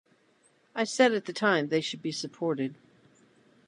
I said at the time they should be supported.